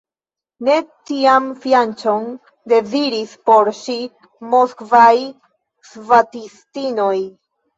Ne tian fianĉon deziris por ŝi moskvaj svatistinoj!